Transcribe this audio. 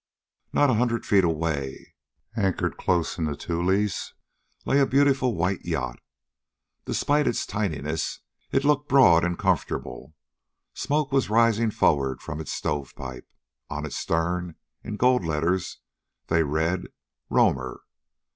Not a hundred feet away, anchored close in the tules, lay a beautiful white yacht. Despite its tininess, it looked broad and comfortable. Smoke was rising for'ard from its stovepipe. On its stern, in gold letters, they read Roamer.